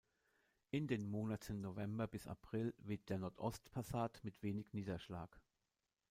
In den Monaten November bis April weht der Nord-Ost-Passat mit wenig Niederschlag.